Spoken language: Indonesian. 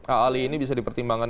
aali ini bisa dipertimbangkan